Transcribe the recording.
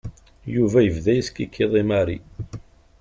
Yuba yebda yeskikiḍ i Mary.